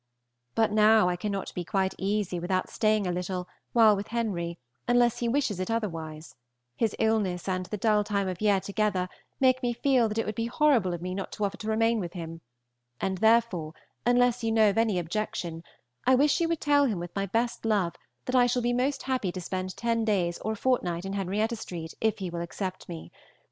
But now I cannot be quite easy without staying a little while with Henry, unless he wishes it otherwise; his illness and the dull time of year together make me feel that it would be horrible of me not to offer to remain with him, and therefore unless you know of any objection, I wish you would tell him with my best love that I shall be most happy to spend ten days or a fortnight in Henrietta St., if he will accept me.